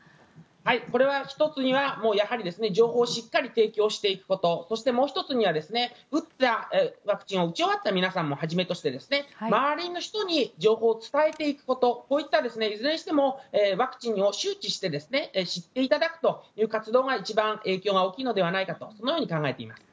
これは１つには、やはり情報をしっかり提供していくことそしてもう１つには打ったワクチンを打ち終わった皆さんもはじめとして周りの人に情報を伝えていくことこういった、いずれにしてもワクチンを周知して知っていただくという活動が一番影響が大きいのではないかとそのように考えています。